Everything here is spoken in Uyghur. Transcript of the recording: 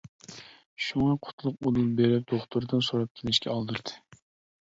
شۇڭا قۇتلۇق ئۇدۇل بېرىپ دوختۇردىن سوراپ كېلىشكە ئالدىرىدى.